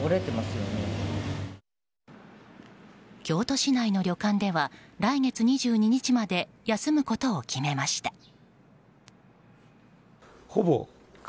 京都市内の旅館では来月２２日まで休むことを決めました。